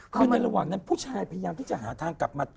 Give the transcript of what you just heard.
คือในระหว่างนั้นผู้ชายพยายามที่จะหาทางกลับมา